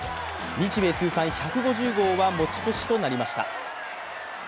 日米通算１５０号は持ち越しとなりました。